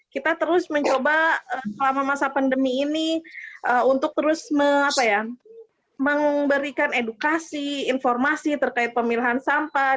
kita terus mencoba selama masa pandemi ini untuk terus memberikan edukasi informasi terkait pemilahan sampah